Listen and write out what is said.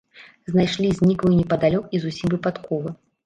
Знайшлі зніклую непадалёк і зусім выпадкова.